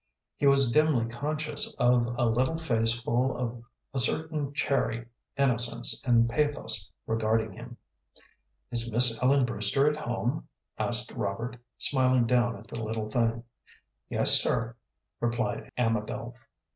He was dimly conscious of a little face full of a certain chary innocence and pathos regarding him. "Is Miss Ellen Brewster at home?" asked Robert, smiling down at the little thing. "Yes, sir," replied Amabel.